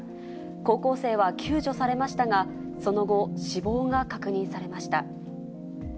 高校生は救助されましたが、その後、死亡が確認されました。